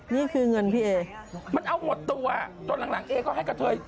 นี่คือเงินพี่เอมันเอาหมดตัวจนหลังเอก็ให้กระเทย